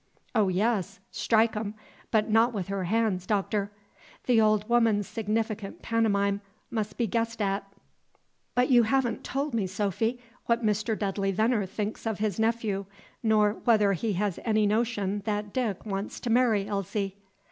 "Oh, yes, strike 'em! but not with her han's, Doctor!" The old woman's significant pantomime must be guessed at. "But you haven't told me, Sophy, what Mr. Dudley Veneer thinks of his nephew, nor whether he has any notion that Dick wants to marry Elsie."